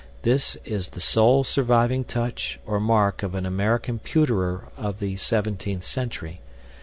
This is the sole surviving "touch" or mark of an American pewterer of the 17th century.